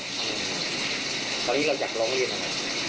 ตอนนี้เราอยากร้องเรียนอะไร